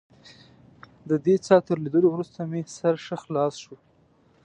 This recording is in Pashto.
ددې څاه تر لیدلو وروسته مې سر ښه خلاص شو.